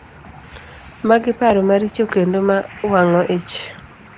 Magi paro maricho kendo ma wang'o ich.